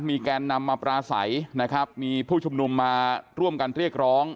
มีแกนนำมาปราศัยนะครับมีผู้ชุมนุมมาร่วมกันเรียกร้อง